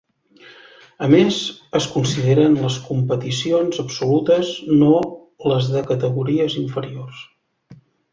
A més, es consideren les competicions absolutes, no les de categories inferiors.